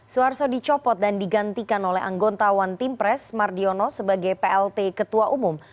suarso dicopot dan digantikan oleh anggontawan timpres mardiono sebagai plt ketua umum